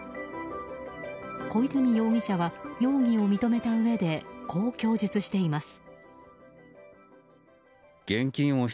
小出水容疑者は容疑を認めたうえでこう供述しています。